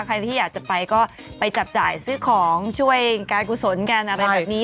ใครที่อยากจะไปก็ไปจับจ่ายซื้อของช่วยการกุศลกันอะไรแบบนี้